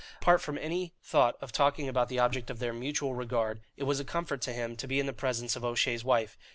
Apart from any thought of talking about the object of their mutual regard, it was a comfort to him to be in the presence of O'Shea's wife.